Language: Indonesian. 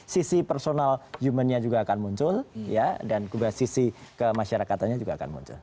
sisi personal human nya juga akan muncul dan juga sisi kemasyarakatannya juga akan muncul